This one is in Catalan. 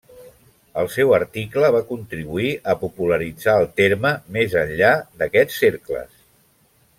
El seu article va contribuir a popularitzar el terme més enllà d'aquests cercles.